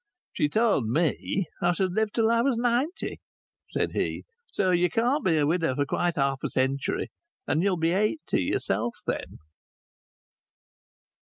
"She told me I should live till I was ninety," said he. "So you can't be a widow for quite half a century, and you'll be eighty yourself then."